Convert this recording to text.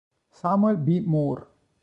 Samuel B. Moore